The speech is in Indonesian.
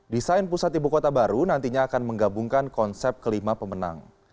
desain pusat ibu kota baru nantinya akan menggabungkan konsep kelima pemenang